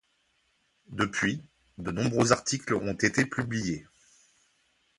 Depuis, de nombreux articles ont été publiés.